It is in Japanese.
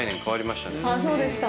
そうですか。